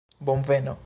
bonveno